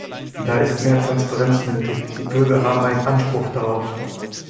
Da ist mehr Transparenz nötig, die Bürger haben einen Anspruch darauf!